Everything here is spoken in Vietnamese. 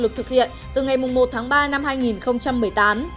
được thực hiện từ ngày một tháng ba năm hai nghìn một mươi tám